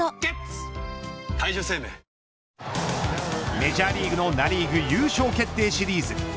メジャーリーグのナ・リーグ優勝決定シリーズ。